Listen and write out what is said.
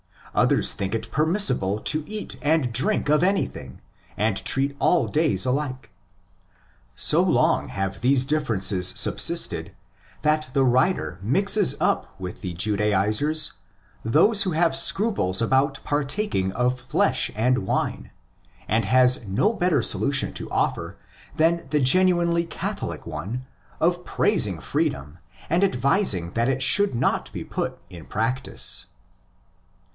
Others think it permissible to eat and drink of anything, and treat all days alike. So long have these differences subsisted that the writer mixes up with the Judaisers those who have scruples about partaking of flesh and wine, and has no better solution to offer than the genuinely '' Catholic '' one of praising freedom and advising that it should not be put in practice.